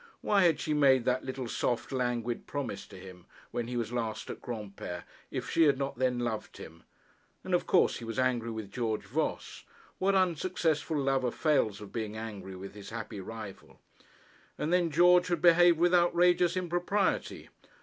Why had she made that little soft, languid promise to him when he was last at Granpere, if she had not then loved him? And of course he was angry with George Voss. What unsuccessful lover fails of being angry with his happy rival? And then George had behaved with outrageous impropriety.